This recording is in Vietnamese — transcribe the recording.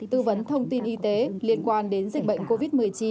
tư vấn thông tin y tế liên quan đến dịch bệnh covid một mươi chín